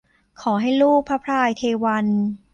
ขอให้ลูกพระพายเทวัญ